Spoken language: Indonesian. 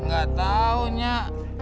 gak tau nyak